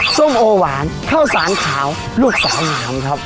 ส้มโอหวานข้าวสารขาวลูกสาวหวานครับ